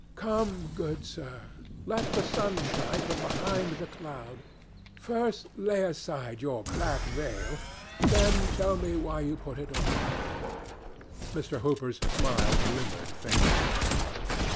Come, good sir; let the sun shine from behind the cloud. First lay aside your black veil, then tell me why you put it on." Mr. Hooper's smile glimmered faintly.